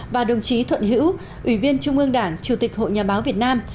và đồng chí thuận hữu ủy viên trung ương đảng chủ tịch hội nhà báo việt nam